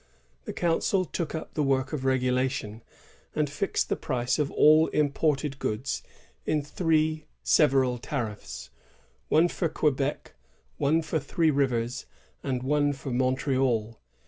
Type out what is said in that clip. The council took up the work of regulation, and fixed the price of all imported goods in three several tariffs, — one for Quebec, one for Three Rivers, and one for Montreal.